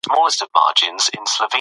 اقتصادي پرمختګ د ښځو حقوق زیاتوي.